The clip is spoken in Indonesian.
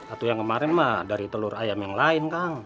atau yang kemarin mah dari telur ayam yang lain kang